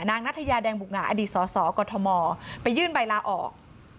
นางนัทยาแดงบุกงาอดีตสสกมไปยื่นใบลาออก